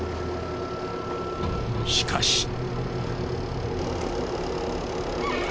しかし。